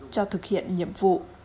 cho thực hiện nhiệm vụ